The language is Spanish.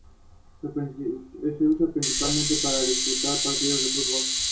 El juego recompensa por jugar en las seis categorías: rhythm, pitch, y vibrato.